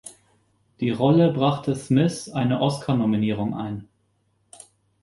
Die Rolle brachte Smith eine Oscar-Nominierung ein.